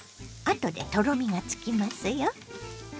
あとでとろみがつきますよ。